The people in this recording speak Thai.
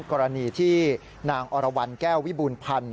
กรณีที่นางอรวรรณแก้ววิบูรณพันธ์